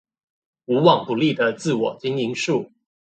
無往不利的自我經營術